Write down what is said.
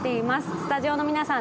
スタジオの皆さん